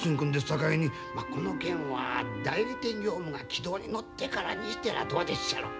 さかいにまあこの件は代理店業務が軌道に乗ってからにしたらどうでっしゃろ。